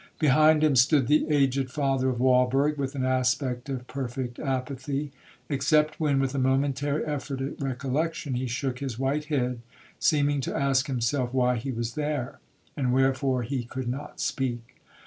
Behind him stood the aged father of Walberg, with an aspect of perfect apathy, except when, with a momentary effort at recollection, he shook his white head, seeming to ask himself why he was there—and wherefore he could not speak.